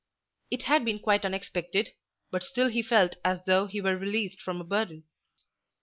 It had been quite unexpected, but still he felt as though he were released from a burden.